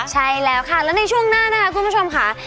ใช่แล้วค่ะแล้วในช่วงหน้านะคะคุณผู้ชมค่ะ